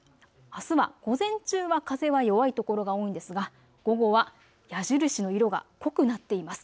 あすは午前中は風は弱いところが多いんですが午後は矢印の色が濃くなっています。